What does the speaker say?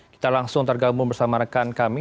kita langsung tergabung bersama rekan kami